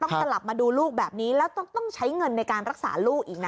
กลับมาดูลูกแบบนี้แล้วต้องใช้เงินในการรักษาลูกอีกนะ